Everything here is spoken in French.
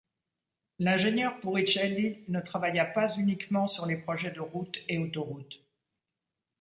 L'ingénieur Puricelli ne travailla pas uniquement sur les projets de routes et autoroutes.